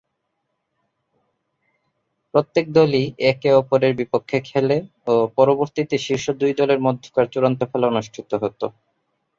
প্রত্যেক দলই একে-অপরের বিপক্ষে খেলে ও পরবর্তীতে শীর্ষ দুই দলের মধ্যকার চূড়ান্ত খেলা অনুষ্ঠিত হতো।